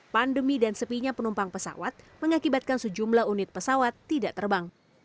pandemi dan sepinya penumpang pesawat mengakibatkan sejumlah unit pesawat tidak terbang